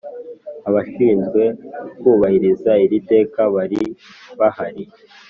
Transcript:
Abashinzwekubahiriza iri teka bari bahari